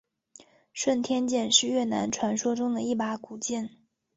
顺天剑是越南传说中的一把古剑。